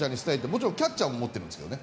もちろんキャッチャーも持ってるんですけど